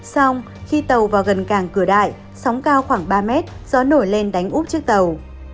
xong khi tàu vào gần càng cửa đại sóng cao khoảng ba m gió nổi lên đánh úp chiếc tàu